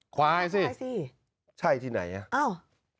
ควายสิใช่ที่ไหนอ่ะอ้าว